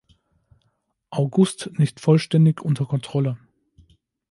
August nicht vollständig unter Kontrolle.